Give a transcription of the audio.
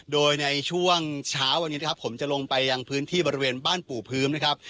โดยในช่วงเช้าวันนี้นะครับผมจะลงไปยังพื้นที่บริเวณบ้านปู่พื้นนะครับ